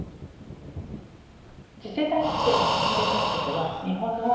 次世代育成が進んでいないことは日本の大きい課題です。